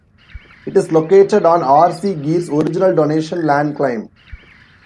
It is located on R. C. Geer's original Donation Land Claim.